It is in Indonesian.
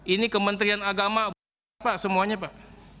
ini kementerian agama pak semuanya pak